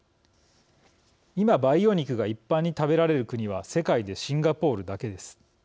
今、培養肉が一般に食べられる国は世界でシンガポールだけです。